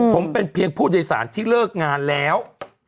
ผมเป็นเพียงผู้โดยสารที่เลิกงานแล้ว